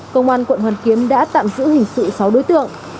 công an quận hoàn kiếm đã tạm giữ hình sự sáu đối tượng